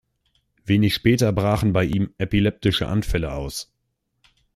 Wenig später brachen bei ihm epileptische Anfälle aus.